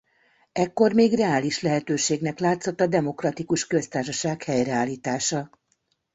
Ekkor még reális lehetőségnek látszott a demokratikus köztársaság helyreállítása.